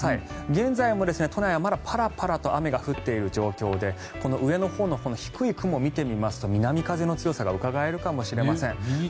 現在も都内は、まだパラパラと雨が降っている状況でこの上のほうの低い雲を見てみますと南風の強さがうかがえるかもしれません。